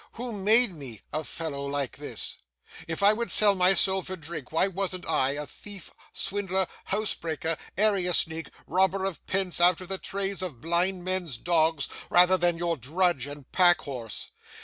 Who made me "a fellow like this"? If I would sell my soul for drink, why wasn't I a thief, swindler, housebreaker, area sneak, robber of pence out of the trays of blind men's dogs, rather than your drudge and packhorse?